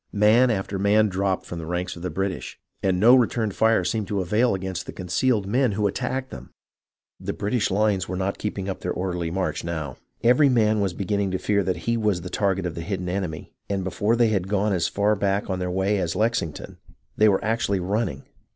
Man after man dropped from the ranks of the British, and no return fire seemed to avail against the concealed men who attacked them. And their numbers were increasing, too. The British hues were not keeping up their orderly march now. Every man was beginning to fear that he was the target of the hidden enemy, and before they had gone as far back on their way as Lexington, they were THE RESORT TO ARMS 4I actually running.